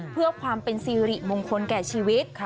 เพื่อความเป็นสิริมงคลแก่ชีวิต